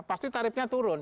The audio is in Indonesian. pasti tarifnya turun